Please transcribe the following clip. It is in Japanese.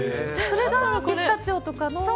それがピスタチオとかの。